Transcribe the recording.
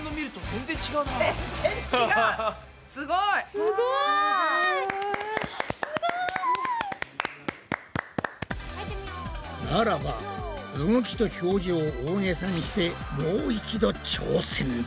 すごい！ならば動きと表情を大げさにしてもう一度挑戦だ！